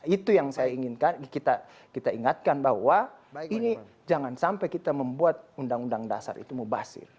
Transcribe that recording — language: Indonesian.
itu yang saya inginkan kita ingatkan bahwa ini jangan sampai kita membuat undang undang dasar itu mubasir